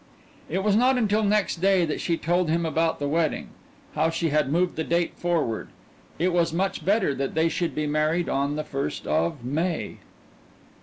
It was not until next day that she told him about the wedding how she had moved the date forward: it was much better that they should be married on the first of May.